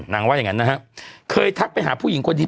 ว่าอย่างงั้นนะฮะเคยทักไปหาผู้หญิงคนนี้